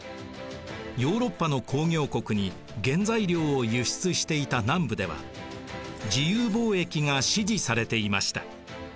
ヨーロッパの工業国に原材料を輸出していた南部では自由貿易が支持されていました。